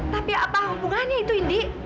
tapi apa hubungannya itu indi